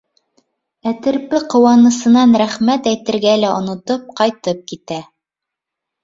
Ә терпе ҡыуанысынан рәхмәт әйтергә лә онотоп, ҡайтып китә.